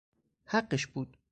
حقش بود!